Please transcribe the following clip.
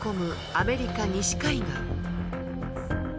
アメリカ西海岸。